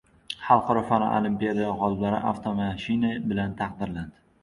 Xalqaro fan olimpiada g‘oliblari avtomashina bilan taqdirlanadi